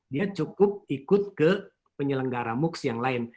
dia cukup ikut ke penyelenggara moocs yang lain